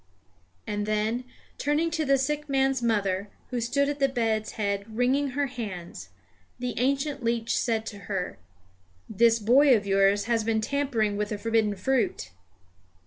And then, turning to the sick man's mother, who stood at the bed's head wringing her hands, the ancient leech said to her: "This boy of yours has been tampering with the forbidden fruit!"